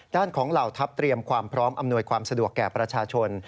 ด้านของเหล่าทัพเตรียมความพร้อมอำนวยความสะดวกแก่ประชาชน